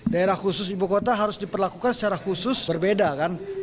daerah khusus ibu kota harus diperlakukan secara khusus berbeda kan